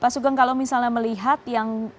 pak sugeng kalau misalnya melihat yang